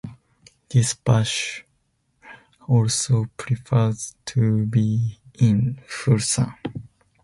This bush also prefers to be in full sun.